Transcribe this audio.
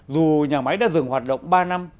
dù nhà máy đã dừng hoạt động ba năm